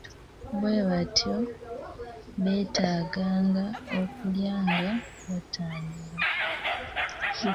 Bwe batyo beetaaganga okulya nga batambula.